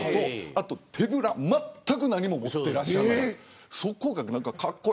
あと手ぶら、まったく何も持っていらっしゃらなかった。